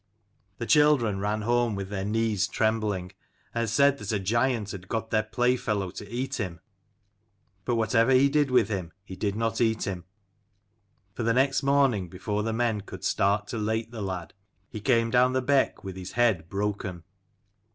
The children ran home with their knees trembling, and said that a giant had got their playfellow to eat him. But whatever he did with him he did not eat him ; for next morning before the men could start to lait the lad, he came down the beck with his head broken.